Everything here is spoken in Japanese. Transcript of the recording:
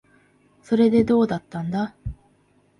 それで、どうだったんだ。